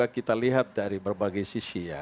kita lihat dari berbagai sisi ya